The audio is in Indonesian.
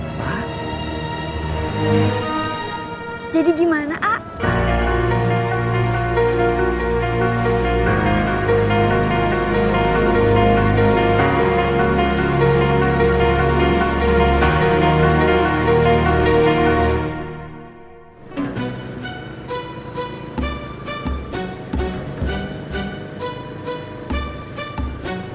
pada saat ini saya sudah mempunyai kekuatan